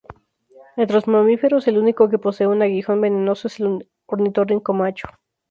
Entre los mamíferos, el único que posee un aguijón venenoso es el ornitorrinco macho.